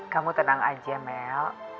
kamu tenang aja mel